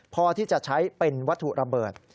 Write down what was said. พอที่จะใช้เป็นวัตถุระเบิด